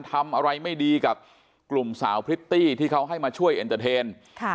ทำอะไรไม่ดีกับกลุ่มสาวพริตตี้ที่เขาให้มาช่วยเอ็นเตอร์เทน